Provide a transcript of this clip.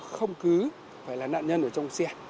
không cứ phải là nạn nhân ở trong xe